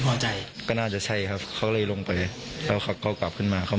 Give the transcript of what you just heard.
พอใจก็น่าจะใช่ครับเขาเลยลงไปแล้วเขาก็กลับขึ้นมาเขา